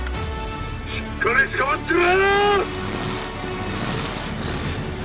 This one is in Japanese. しっかりつかまってろ！